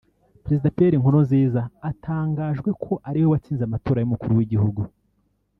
Perezida Pierre Nkurunziza atangajwe ko ariwe watsinze amatora y’Umukuru w’Igihugu